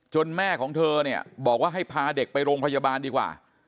แม่ของเธอเนี่ยบอกว่าให้พาเด็กไปโรงพยาบาลดีกว่า